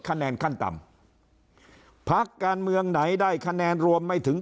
คะแนนขั้นต่ำพักการเมืองไหนได้คะแนนรวมไม่ถึง